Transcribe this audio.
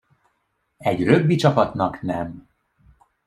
Egy rögbicsapatnak nem.